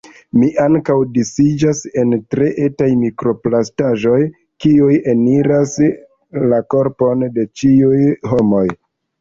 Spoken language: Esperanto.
"Mi ankaŭ disiĝas en tre etaj mikroplastaĵoj, kiuj eniras la korpon de ĉiuj homoj."